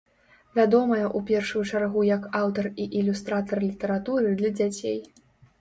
Вядомая ў першую чаргу як аўтар і ілюстратар літаратуры для дзяцей.